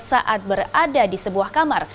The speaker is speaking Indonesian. saat berada di sebuah kamar